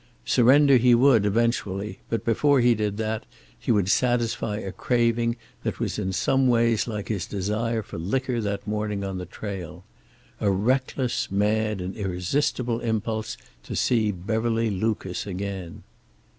Surrender he would, eventually, but before he did that he would satisfy a craving that was in some ways like his desire for liquor that morning on the trail. A reckless, mad, and irresistible impulse to see Beverly Lucas again.